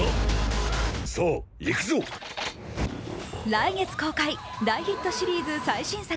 来月公開、大ヒットシリーズ最新作。